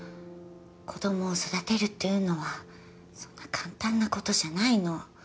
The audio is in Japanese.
子供を育てるっていうのはそんな簡単なことじゃないの。